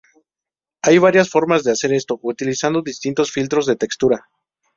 Hay varias formas de hacer esto, utilizando distintos filtros de textura.